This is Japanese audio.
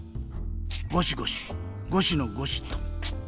ゴシゴシゴシのゴシっと。